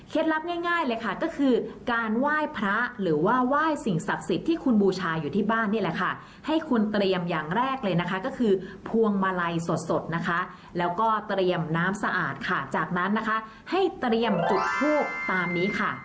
ลับง่ายเลยค่ะก็คือการไหว้พระหรือว่าไหว้สิ่งศักดิ์สิทธิ์ที่คุณบูชาอยู่ที่บ้านนี่แหละค่ะให้คุณเตรียมอย่างแรกเลยนะคะก็คือพวงมาลัยสดนะคะแล้วก็เตรียมน้ำสะอาดค่ะจากนั้นนะคะให้เตรียมจุดทูบตามนี้ค่ะ